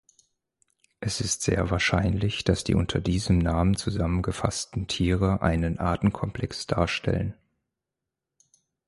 Es ist sehr wahrscheinlich, dass die unter diesem Namen zusammengefassten Tiere einen Artenkomplex darstellen.